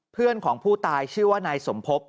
เพื่อนของผู้ตายชื่อว่านายสมภพ